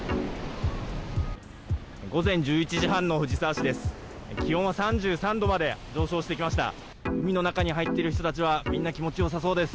午前１１時半の藤沢市です。